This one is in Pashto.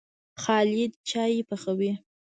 خالد چايي پخوي.